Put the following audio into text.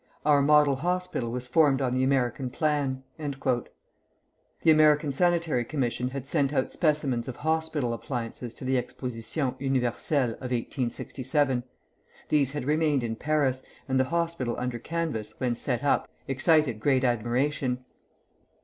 Our model hospital was formed on the American Plan." The American Sanitary Commission had sent out specimens of hospital appliances to the Exposition Universelle of 1867. These had remained in Paris, and the hospital under canvas, when set up, excited great admiration.